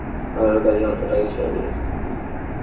সেজন্যই মৃত্তিকাশিল্প আর ঝুড়ি বানানোর কাজে হাত লাগিয়েছি আমি।